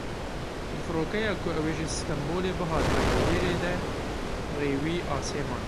Di firokeya ku ew ê ji Stenbolê bihata Hewlêrê de rêwî asê man.